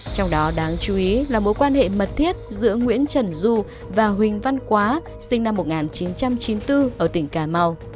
trong đó đáng chú ý là mối quan hệ mật thiết giữa nguyễn trần du và huỳnh văn quá sinh năm một nghìn chín trăm chín mươi bốn ở tỉnh cà mau